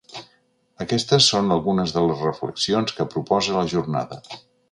Aquestes són algunes de les reflexions que proposa la jornada.